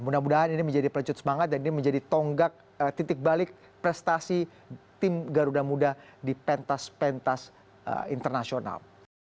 mudah mudahan ini menjadi pelecut semangat dan ini menjadi tonggak titik balik prestasi tim garuda muda di pentas pentas internasional